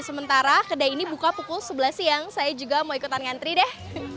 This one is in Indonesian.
sementara kedai ini buka pukul sebelas siang saya juga mau ikutan ngantri deh